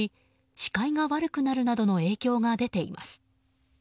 視界が悪くなるなどの影響が出ています。